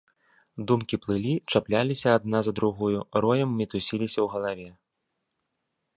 Думкі плылі, чапляліся адна за другую, роем мітусіліся ў галаве.